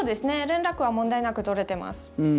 連絡は問題なく取れてます。